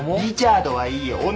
リチャードはいいよ